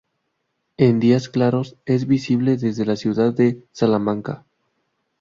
En días claros es visible desde la ciudad de Salamanca.